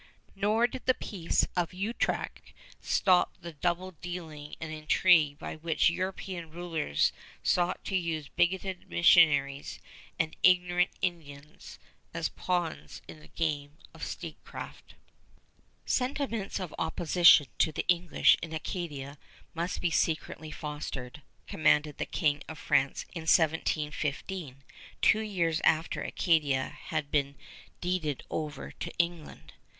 Nor did the Peace of Utrecht stop the double dealing and intrigue by which European rulers sought to use bigoted missionaries and ignorant Indians as pawns in the game of statecraft. "Sentiments of opposition to the English in Acadia must be secretly fostered," commanded the King of France in 1715, two years after Acadia had been deeded over to England.